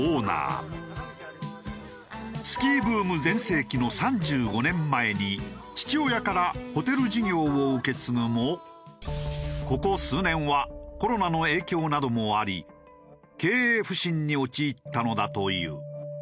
スキーブーム全盛期の３５年前に父親からホテル事業を受け継ぐもここ数年はコロナの影響などもあり経営不振に陥ったのだという。